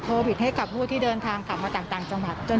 ก็คือจะมาไม่มามาไม่ทันเลยแหละ